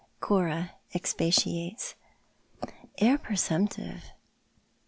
CORA EXPATIATES. ITeir presumptive